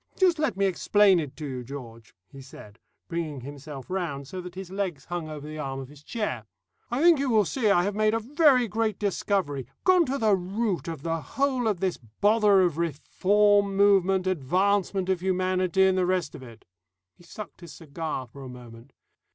Just let me explain it to you, George," he said, bringing himself round so that his legs hung over the arm of his chair. "I think you will see I have made a very great discovery, gone to the root of the whole of this bother of reform movement, advancement of humanity, and the rest of it." He sucked his cigar for a moment.